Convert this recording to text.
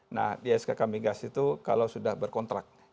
nah di skk migas itu kalau sudah berkontrak